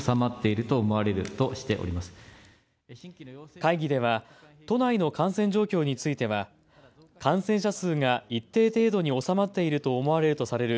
会議では都内の感染状況については感染者数が一定程度に収まっていると思われるとされる